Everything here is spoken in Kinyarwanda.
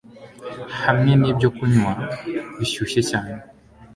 hamwe nibyokunywa bishyushye cyane